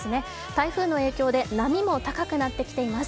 台風の影響で波も高くなってきています。